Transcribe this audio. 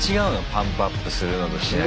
パンプアップするのとしないのと。